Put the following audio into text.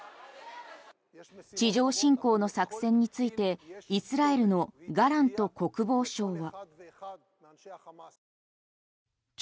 地上侵攻の作戦についてイスラエルのガラント国防相は。